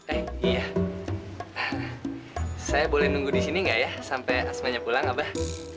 eh iya saya boleh nunggu disini gak ya sampai asmanya pulang abah